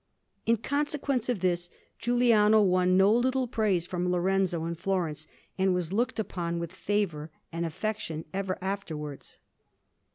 In consequence of this Giuliano won no little praise from Lorenzo in Florence, and was looked upon with favour and affection ever afterwards.